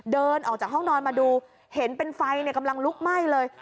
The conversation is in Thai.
เดินออกจากห้องนอนมาดูเห็นเป็นไฟกำลังลุกไหม้เลย